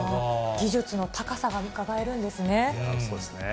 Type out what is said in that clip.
技術の高さがうかがえるんでそうですね。